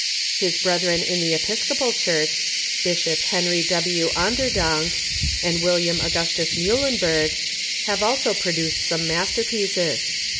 His bretbren in the E])iscoi)al Churcb, Bisbop Henry W. On derdonk and William Augustus jNIublenberg, bave also pro duced some masterpieces.